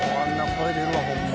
声出るわホンマ。